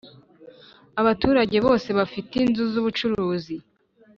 abaturage bose bafite inzu z ubucuruzi